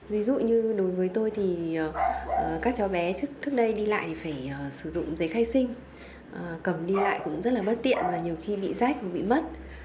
ví dụ như đối với tôi thì các cháu bé trước đây đi lại thì phải sử dụng giấy khai sinh cầm đi lại cũng rất là bất tiện và nhiều khi bị rách và bị mất